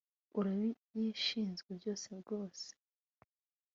Urabishinzwe byose rwose